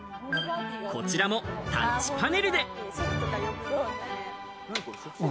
こちらもタッチパネルで。